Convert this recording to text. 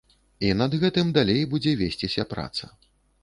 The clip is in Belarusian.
І над гэтым далей будзе весціся праца.